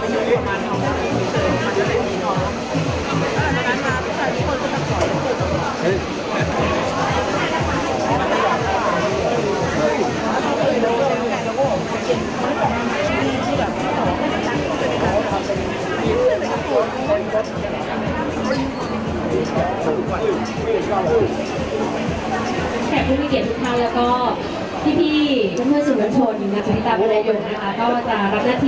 วันนี้ที่แล้วนะครับก็ติดออกติดใจกลับมาชวนกันไป